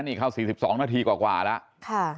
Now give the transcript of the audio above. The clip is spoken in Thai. นี่เข้า๔๒นาทีกว่าแล้ว